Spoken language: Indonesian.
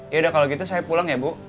yaudah kalau gitu saya pulang ya bu